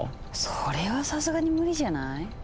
それはさすがに無理じゃない？